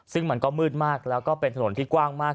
ซึ่งมันก็มืดมากแล้วก็เป็นถนนที่กว้างมาก